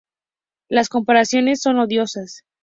Las comparaciones son odiosas